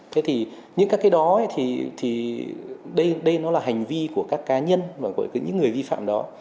thế thì những cái đó thì đây nó là hành vi của các cá nhân và những người vi phạm đó